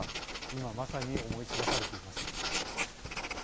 今、まさに思い知らされています。